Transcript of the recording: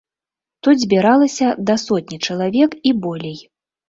Тут збіралася да сотні чалавек і болей.